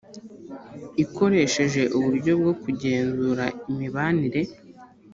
ikoresheje uburyo bwo kugenzura imibanire